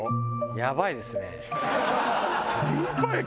やばいですね。